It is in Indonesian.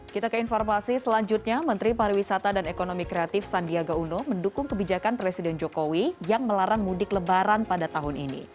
kita ke informasi selanjutnya menteri pariwisata dan ekonomi kreatif sandiaga uno mendukung kebijakan presiden jokowi yang melarang mudik lebaran pada tahun ini